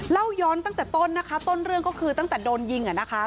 เล่าย้อนตั้งแต่ต้นนะคะต้นเรื่องก็คือตั้งแต่โดนยิง